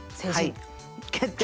「決定」。